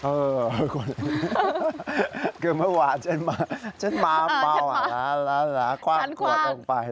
เออคือเมื่อวานฉันมาเบาอ่ะล่ะคว่างขวดลงไป